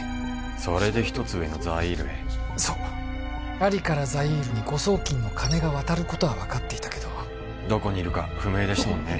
それで一つ上のザイールへそうアリからザイールに誤送金の金が渡ることは分かっていたけどどこにいるか不明でしたもんね